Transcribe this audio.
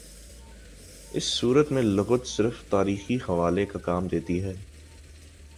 اس صورت میں لغت صرف تاریخی حوالے کا کام دیتی ہے۔